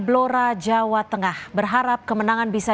saya tidak mau melakukan apa yang saya bisa